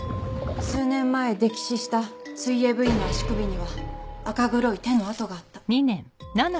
数年前溺死した水泳部員の足首には赤黒い手の痕があった。